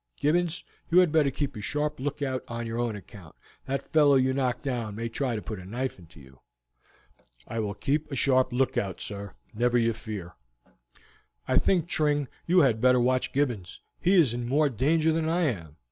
"Gibbons, you had better keep a sharp lookout on your own account. That fellow you knocked down may try to put a knife into you." "I will keep a sharp lookout, sir, never you fear." "I think, Tring, you had better watch Gibbons; he is more in danger than I am.